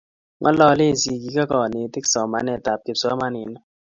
Ng'ololee sikik ak kanetik somanetap kipsomaninik